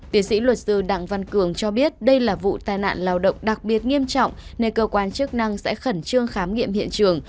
tiến sĩ luật sư đặng văn cường cho biết đây là vụ tai nạn lao động đặc biệt nghiêm trọng nên cơ quan chức năng sẽ khẩn trương khám nghiệm hiện trường